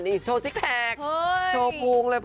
นี่โชว์สิคแท็กโชว์ปรุงเลย